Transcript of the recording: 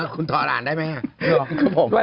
คุณถอดอ่านได้ไหมครับ